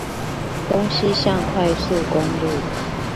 東西向快速公路